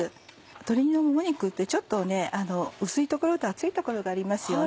鶏のもも肉ってちょっと薄い所と厚い所がありますよね。